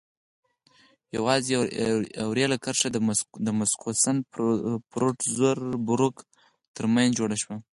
یوازې یوه رېل کرښه د مسکو سن پټزربورګ ترمنځ جوړه شوه.